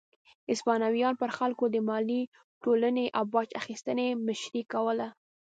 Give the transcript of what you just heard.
هسپانویانو پر خلکو د مالیې ټولونې او باج اخیستنې مشري کوله.